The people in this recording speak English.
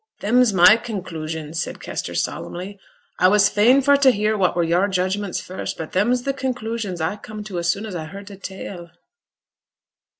'Them's my conclusions,' said Kester, solemnly. 'A was fain for to hear what were yo'r judgments first; but them's the conclusions I comed to as soon as I heard t' tale.'